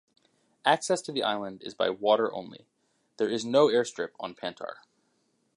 Access to the island is by water only; there is no airstrip on Pantar.